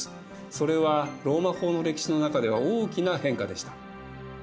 それはローマ法の歴史の中では大きな変化でした。